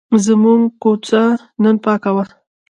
زموږ کوڅه نن پاکه وه.